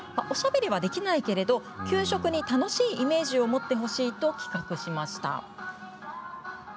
おしゃべりはできないけれど給食に楽しいイメージを持ってほしいと企画しました。